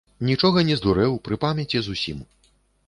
Нічога не здурэў, пры памяці зусім.